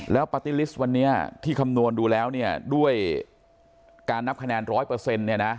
แล้วปาร์ติลิสต์วันนี้ที่คำนวณดูแล้วด้วยการนับคะแนน๑๐๐